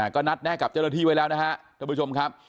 ก็นัดแนะกับเจ้าหน้าที่ไว้แล้วนะครับท่านผู้ชมครับ